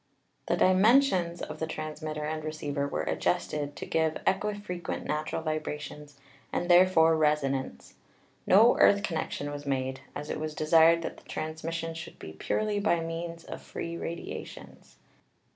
The di mensions of the transmitter and receiver were adjusted to give equifrequent natural vibrations and therefore res onance. No earth connection was made, as it was de sired that the transmission should be purely by means of Fig S3 — Lodge's Syntonic Method of Signaling. free radiations.